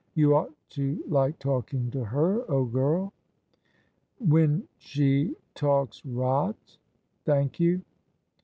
You ought to like talking to her, old girl 1 "" When she talks rot? Thank you."